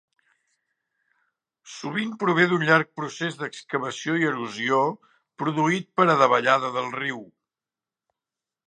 Sovint prové d'un llarg procés d'excavació i erosió produït per a davallada del riu.